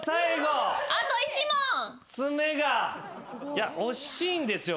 いや惜しいんですよ